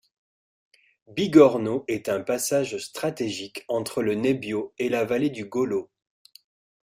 Bigorno est un passage stratégique entre le Nebbio et la vallée du Golo.